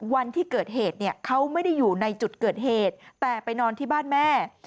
วันที่เกิดเหตุเนี่ยเขาไม่ได้อยู่ในจุดเกิดเหตุแต่ไปนอนที่บ้านแม่